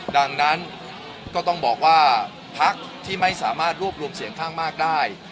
ดังนั้นก็ต้องบอกว่าพักที่ไม่สามารถรวบรวมเสียงข้างมากได้